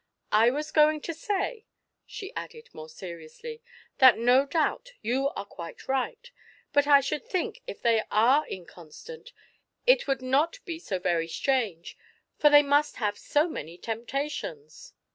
I was going to say," she added more seriously, "that no doubt you are quite right, but I should think if they are inconstant it would not be so very strange, for they must have so many temptations."